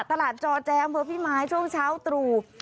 จอแจอำเภอพี่มายช่วงเช้าตรู่